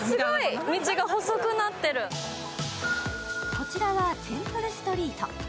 こちらはテンプルストリート。